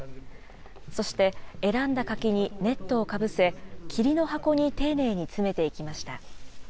そして、選んだ柿にネットをかぶせ、きりの箱に丁寧に詰めていきました。